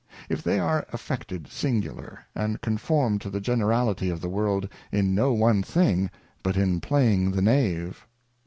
If they are affectedly singular, and conform to the generality of the World in no one thing, but in playing the knave.